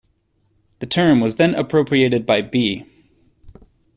The term was then appropriated by B.